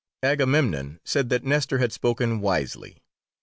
Agamemnon said that Nestor had spoken wisely.